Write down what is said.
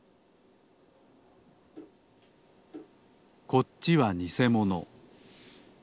こっちはにせもの。